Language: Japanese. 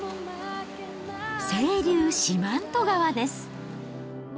清流四万十川です。